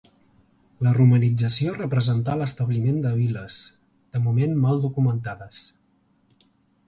La romanització representà l'establiment de vil·les, de moment mal documentades.